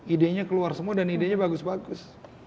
idenya keluar semua dan idenya bagus bagus